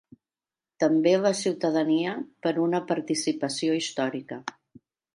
També la ciutadania per una participació històrica.